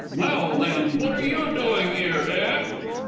Now then, what are you doing 'ere, eh?